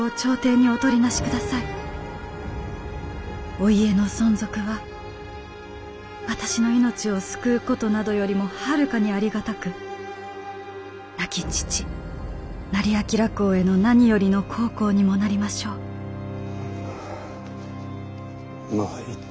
お家の存続は私の命を救うことなどよりもはるかにありがたく亡き父斉彬公への何よりの孝行にもなりましょう」。ははぁ参ったのう。